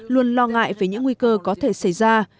luôn lo ngại về những nguy cơ có thể xảy ra